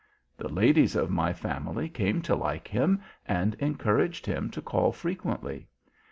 The ladies of my family came to like him, and encouraged him to call frequently.